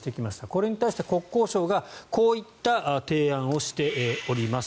これに対して国交省がこういった提案をしております。